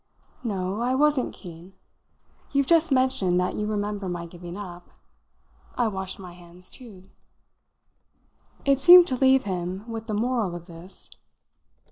"No I wasn't keen. You've just mentioned that you remember my giving up. I washed my hands too." It seemed to leave him with the moral of this.